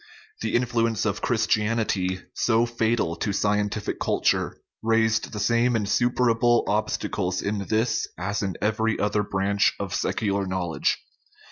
The influence of Christianity, so fatal to scientific culture, raised the same insuperable obstacles in this as in every other branch of secular knowledge.